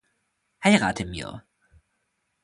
Heirate mir!